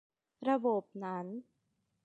ระบบนั้น